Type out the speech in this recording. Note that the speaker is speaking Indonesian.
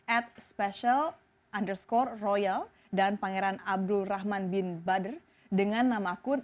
at special underscore royal dan pangeran abdul rahman bin badr dengan nama akun